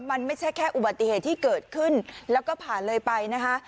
มันไม่ใช่แค่อุบัติเหตุที่เกิดขึ้นแล้วก็ผ่านเลยไปนะคะ